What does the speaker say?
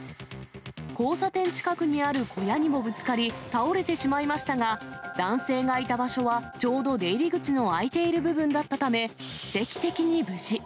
交差点近くにある小屋にもぶつかり、倒れてしまいましたが、男性がいた場所はちょうど、出入り口の開いている部分だったため、奇跡的に無事。